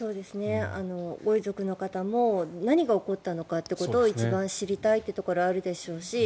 ご遺族の方も何が起こったのかということを一番知りたいというのがあるでしょうし